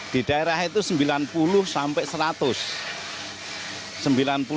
di daerah itu rp sembilan puluh sampai rp seratus